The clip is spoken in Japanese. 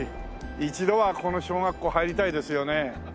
一度はこの小学校入りたいですよね。